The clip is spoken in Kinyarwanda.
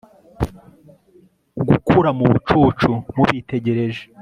gukura mubucucu mubitegereje